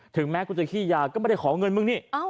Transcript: แม้กูจะขี้ยาก็ไม่ได้ขอเงินมึงนี่